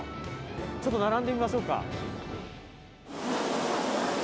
ちょっと並んでみましょうか。